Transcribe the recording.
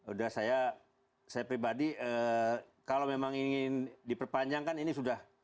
udah saya pribadi kalau memang ingin diperpanjangkan ini sudah